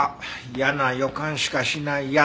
嫌な予感しかしないやつ。